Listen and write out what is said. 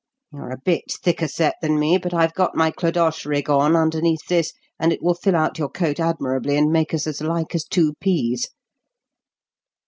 You're a bit thicker set than me, but I've got my Clodoche rig on underneath this, and it will fill out your coat admirably and make us as like as two peas.